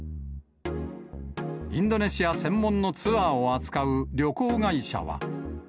インドネシア専門のツアーを扱う旅行会社は。